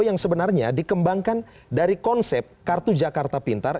yang sebenarnya dikembangkan dari konsep kartu jakarta pintar